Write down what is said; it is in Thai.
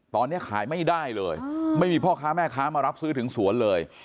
ตอนนี้ขายไม่ได้เลยไม่มีพ่อค้าแม่ค้ามารับซื้อถึงสวนเลย